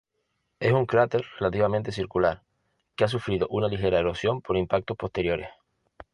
Es un cráter relativamente circular, que ha sufrido una ligera erosión por impactos posteriores.